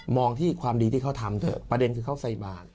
ที่ความดีที่เขาทำเถอะประเด็นคือเขาใส่บาท